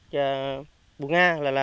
và bù nga